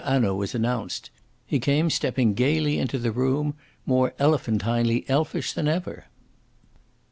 Hanaud was announced. He came stepping gaily into the room, more elephantinely elfish than ever.